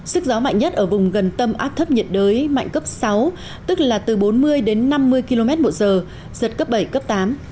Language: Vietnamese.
sức gió mạnh nhất ở vùng gần tâm áp thấp nhiệt đới mạnh cấp sáu tức là từ bốn mươi đến năm mươi km một giờ giật cấp bảy cấp tám